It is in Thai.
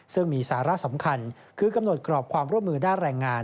ซึ่งมีสาระสำคัญคือกำหนดกรอบความร่วมมือด้านแรงงาน